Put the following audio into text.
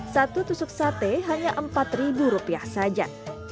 satu tusuk sate hanya rp empat saja